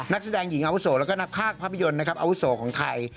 นักแสดงหญิงอาวุโสแล้วก็นักภาคภาพยนตร์นะครับอาวุโสของไทย